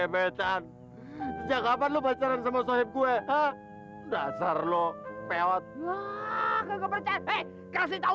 sejak kapan lu pacaran sama sahib gue hah dasar lo peot ah kepercayaan kasih tahu